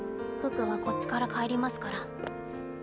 可可はこっちから帰りますから。